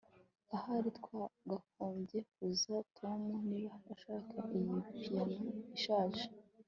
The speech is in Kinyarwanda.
Ahari twakagombye kubaza Tom niba ashaka iyi piyano ishaje